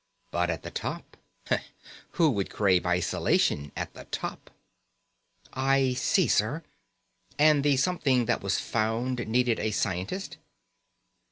But at the top who would crave isolation at the top?" "I see, sir. And the something that was found needed a scientist?"